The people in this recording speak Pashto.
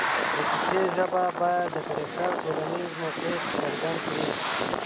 د کیسې ژبه باید د کرکټر ټولنیز موقف څرګند کړي